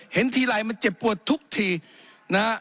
เห็นทีไรมันเจ็บปวดทุกทีนะฮะ